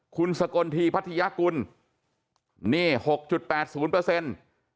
คุณสกนทีพัทยกุลนี่๖๘๐เปอร์เซ็นต์